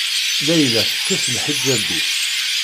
Layla tekkes lḥiǧab-is.